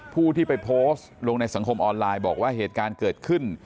ผู้ที่ไปโพสต์ลงในสังคมออนไลน์บอกว่าเหตุการณ์เกิดขึ้น